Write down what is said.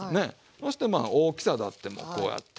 そして大きさであってもこうやって。